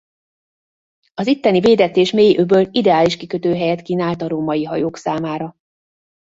Az itteni védett és mély öböl ideális kikötőhelyet kínált a római hajók számára.